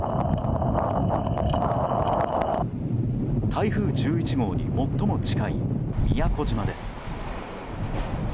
台風１１号に最も近い宮古島です。